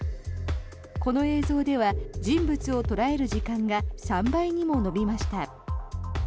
この映像では人物を捉える時間が３倍にも伸びました。